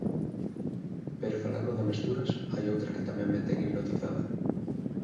Pero falando de mesturas, hai outra que tamén me ten hipnotizada.